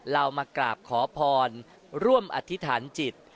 เรามากราบขอพรร่วมอธิษฐานจิต